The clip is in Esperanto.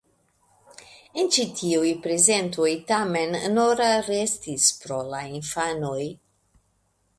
En ĉi tiuj prezentoj tamen "Nora" restis pro la infanoj.